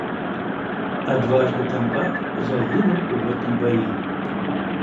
Адважны камбат загінуў у гэтым баі.